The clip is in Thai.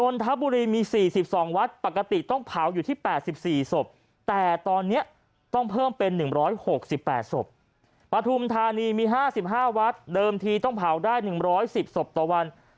นทบุรีมี๔๒วัดปกติต้องเผาอยู่ที่๘๔ศพแต่ตอนนี้ต้องเพิ่มเป็น๑๖๘ศพปฐุมธานีมี๕๕วัดเดิมทีต้องเผาได้๑๑๐ศพต่อวัน